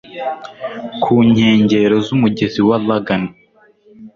ku nkengero z'umugezi wa Lagan